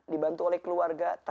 dibantu oleh keluarga